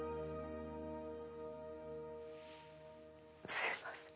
すいません。